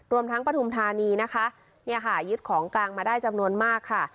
รวมทั้งประธุมธานีหายึดของกลางมาได้จำนวนมาก